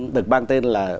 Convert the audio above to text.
được mang tên là